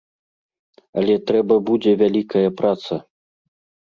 Але трэба будзе вялікая праца.